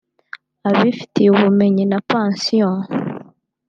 abifitiye ubumenyi na passion